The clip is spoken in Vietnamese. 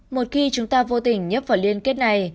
một khi chúng ta vô tình nhấp vào liên kết này